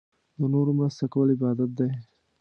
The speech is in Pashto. د نورو مرسته کول عبادت دی.